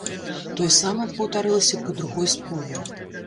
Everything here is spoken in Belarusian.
Тое самае паўтарылася пры другой спробе.